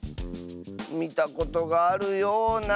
みたことがあるような。